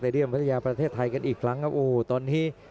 ตอนนี้เจ๊หาวงแฮพธจิดลาสไทย